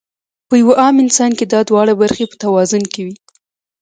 پۀ يو عام انسان کې دا دواړه برخې پۀ توازن کې وي -